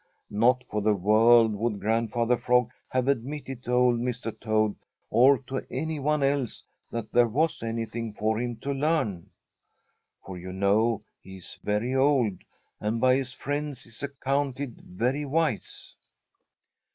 Not for the world would Grandfather Frog have admitted to old Mr. Toad or to any one else that there was anything for him to learn, for you know he is very old and by his friends is accounted very wise.